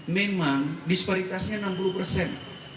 memang disparitasnya enam puluh persen